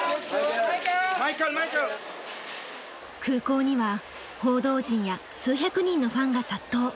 空港には報道陣や数百人のファンが殺到。